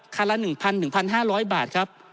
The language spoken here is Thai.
คันละ๑๑๕๐๐บาทครับ